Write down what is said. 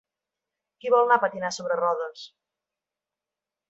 Qui vol anar a patinar sobre rodes?